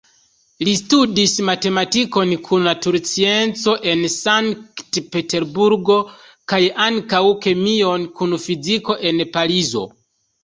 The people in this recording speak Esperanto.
Li studis matematikon kun naturscienco en Sankt-Peterburgo, kaj ankaŭ kemion kun fiziko en Parizo.